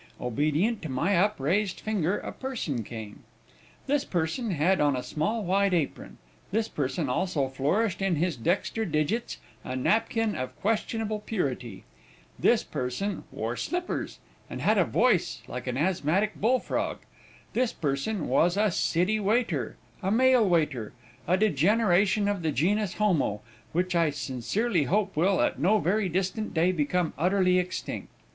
Obedient to my upraised finger, a person came. This person had on a small white apron; this person also flourished in his dexter digits a napkin of questionable purity; this person wore slippers, and had a voice like an asthmatic bull frog; this person was a city waiter a male waiter a degeneration of the genus homo, which I sincerely hope will, at no very distant day, become utterly extinct.